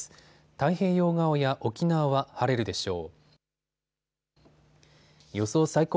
太平洋側や沖縄は晴れるでしょう。